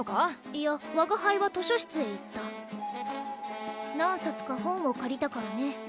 いやわがはいは図書室へ行った何冊か本をかりたからね